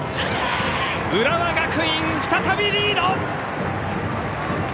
浦和学院、再びリード！